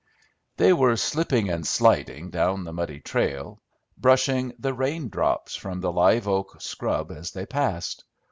They were slipping and sliding down the muddy trail, brushing the raindrops from the live oak scrub as they passed.